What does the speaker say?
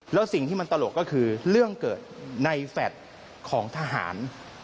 แล้วสิ่งที่มันตลกก็คือเรื่องเกิดในแฟลตของทหาร